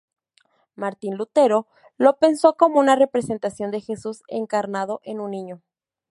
Martín Lutero lo pensó como una representación de Jesús encarnado en un niño.